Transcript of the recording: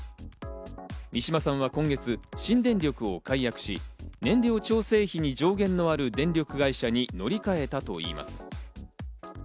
三嶋さんが今月、新電力を解約し、燃料調整費に上限のある電力会社に乗り換えたといいます。